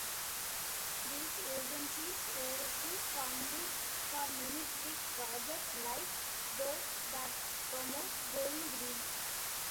These agencies oversee funding for many big projects like those that promote going green.